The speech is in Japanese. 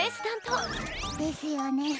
ですよね。